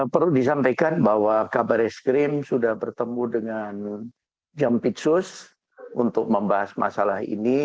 perlu disampaikan bahwa kabar eskrim sudah bertemu dengan jampitsus untuk membahas masalah ini